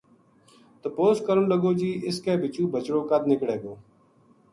تپوس کرن لگو جی اِس کے بِچو بچڑو کد نِکڑے گو